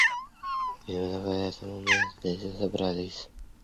Именно поэтому мы здесь и собрались.